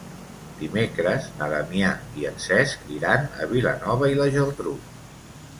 Dimecres na Damià i en Cesc iran a Vilanova i la Geltrú.